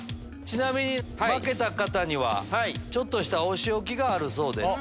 ちなみに負けた方にはちょっとしたお仕置きがある。